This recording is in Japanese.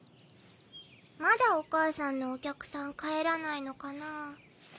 まだお母さんのお客さん帰らないのかなぁ？